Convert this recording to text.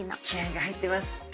気合いが入ってます。